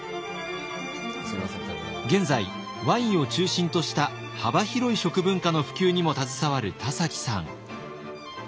現在ワインを中心とした幅広い食文化の普及にも携わる田崎さん。